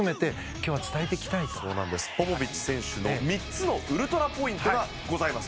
ポポビッチ選手の３つのウルトラポイントがございます。